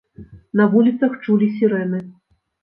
На вуліцах чулі сірэны.